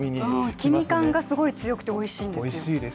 黄身感がすごく強くておいしいんですよ。